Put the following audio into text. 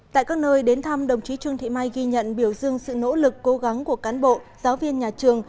tại các nơi đến thăm đồng chí trương thị mai ghi nhận biểu dương sự nỗ lực cố gắng của cán bộ giáo viên nhà trường